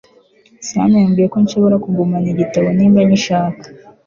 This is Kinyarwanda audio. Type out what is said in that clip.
sano yambwiye ko nshobora kugumana igitabo niba mbishaka